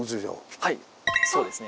はいそうですね。